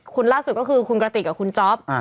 ล่าสุดก็คือคุณกระติกกับคุณจ๊อป